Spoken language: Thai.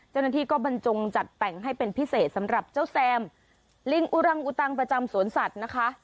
เจ้าหน้าที่ก็บรรจงจัดแต่งให้เป็นพิเศษสำหรับเจ้าแซมลิงอุรังอุตังประจำสวนสัตว์นะคะ